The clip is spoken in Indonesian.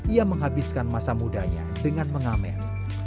ia menghabiskan masa mudanya dengan mengamen